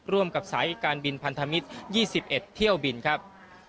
ร่วมกับสายการบินพันธมิตร๒๑เที่ยวบินครับ